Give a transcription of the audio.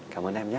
cảm ơn em nhé